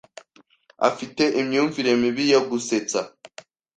afite imyumvire mibi yo gusetsa.